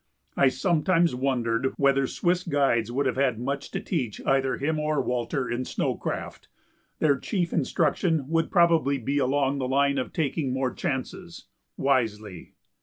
I sometimes wondered whether Swiss guides would have much to teach either him or Walter in snow craft; their chief instruction would probably be along the line of taking more chances, wisely.